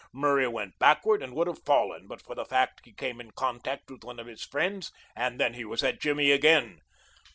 Murray went backward and would have fallen but for the fact he came in contact with one of his friends, and then he was at Jimmy again.